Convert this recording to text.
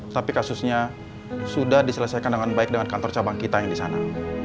tapi kasusnya sudah diselesaikan dengan baik dengan kantor cabang kita yang di sana